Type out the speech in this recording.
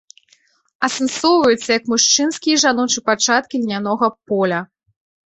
Асэнсоўваюцца як мужчынскі і жаночы пачаткі льнянога поля.